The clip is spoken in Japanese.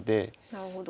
なるほど。